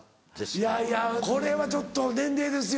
いやいやこれはちょっと年齢ですよ。